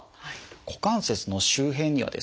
股関節の周辺にはですね